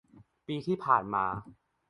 ปีที่ผ่านมา